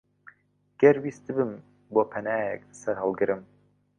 گەر ویستبم بۆ پەنایەک سەرهەڵگرم،